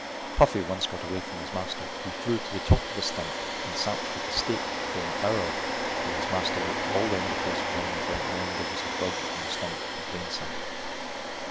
Puffy once got away from his master. He flew to the top of a stump and sat like a stake for an hour while his master looked all round the place for him without knowing there was a bird on the stump in plain sight.